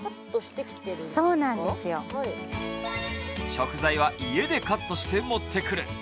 食材は家でカットして持ってくる。